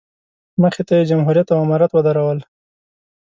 مخې ته یې جمهوریت او امارت ودرول.